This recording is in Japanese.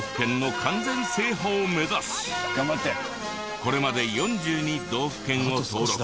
これまで４２道府県を登録。